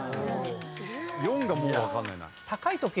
４がもう分かんないな。